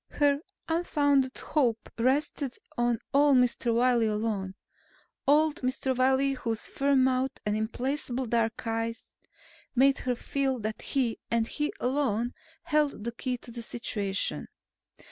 Her unfounded hope rested on old Mr. Wiley alone; old Mr. Wiley whose firm mouth and implacable dark eyes made her feel that he, and he alone, held the key to the situation.